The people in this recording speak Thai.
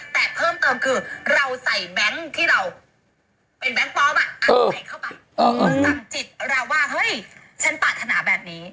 แต่เมื่อครูร่วมรู้ความลับ